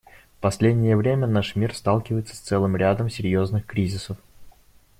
В последнее время наш мир сталкивается с целым рядом серьезных кризисов.